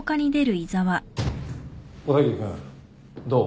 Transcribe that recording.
小田切君どう？